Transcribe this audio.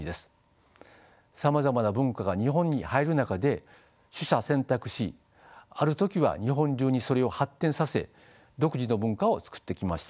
さまざまな文化が日本に入る中で取捨選択しある時は日本流にそれを発展させ独自の文化をつくってきました。